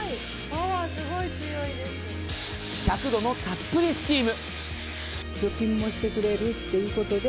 １００度のたっぷりスチーム。